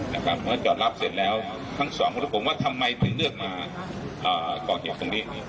เพราะจอดรับเสร็จแล้วทั้งสองคนผมว่าทำไมถึงเลือกมาก่อเหตุตรงนี้